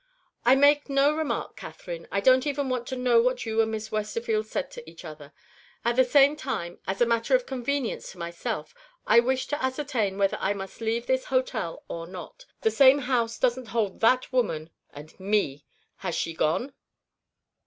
"I make no remark, Catherine; I don't even want to know what you and Miss Westerfield said to each other. At the same time, as a matter of convenience to myself, I wish to ascertain whether I must leave this hotel or not. The same house doesn't hold that woman and ME. Has she gone?"